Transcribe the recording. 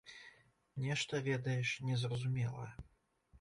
Нешта, ведаеш, незразумелае.